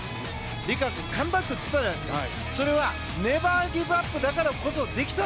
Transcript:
璃花子、カムバック！って言ったじゃないですか。